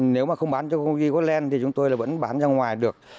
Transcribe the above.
nếu mà không bán cho công ty goldeland thì chúng tôi vẫn bán ra ngoài được